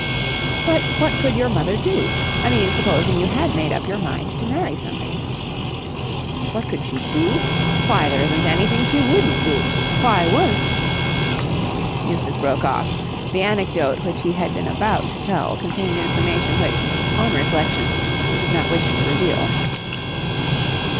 "But what could your mother do? I mean, supposing you had made up your mind to marry somebody." "What could she do? Why, there isn't anything she wouldn't do. Why, once...." Eustace broke off. The anecdote which he had been about to tell contained information which, on reflection, he did not wish to reveal.